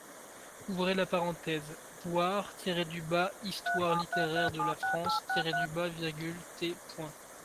(Voir _Histoire littéraire de la France_, t.